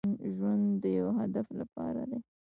ژوند د يو هدف لپاره وي.